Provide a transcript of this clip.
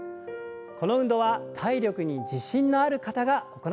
この運動は体力に自信のある方が行ってください。